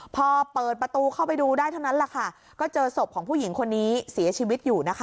พอเปิดประตูเข้าไปดูได้เท่านั้นแหละค่ะก็เจอศพของผู้หญิงคนนี้เสียชีวิตอยู่นะคะ